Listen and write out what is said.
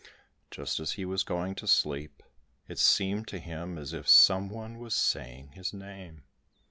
Just as he was going to sleep, it seemed to him as if some one was saying his name.